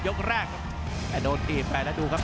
ยกแรกแต่โดนทีมไปแล้วดูครับ